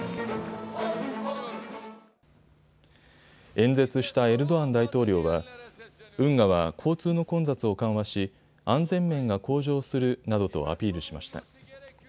演説したエルドアン大統領は運河は交通の混雑を緩和し安全面が向上するなどとアピールしました。